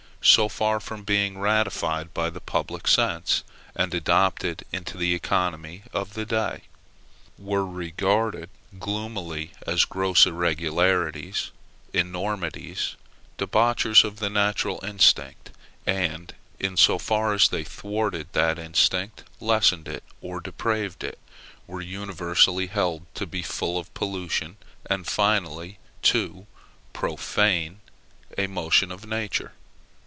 so far from being ratified by the public sense, and adopted into the economy of the day, were regarded gloomily as gross irregularities, enormities, debauchers of the natural instinct; and, in so far as they thwarted that instinct, lessened it, or depraved it, were universally held to be full of pollution; and, finally, to profane a motion of nature.